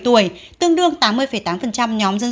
tương đương tám mươi tám nhóm dân số đội tuyển